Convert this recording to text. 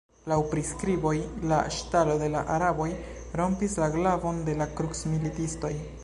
Laŭ priskriboj, la ŝtalo de la araboj rompis la glavon de la krucmilitistoj.